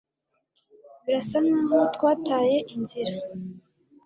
Birasa nkaho twataye inzira